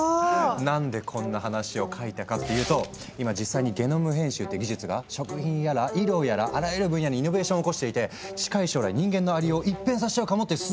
何でこんな話を描いたかっていうと今実際にゲノム編集っていう技術が食品やら医療やらあらゆる分野にイノベーションを起こしていて近い将来人間のありよう一変させちゃうかもっていうすっごい話。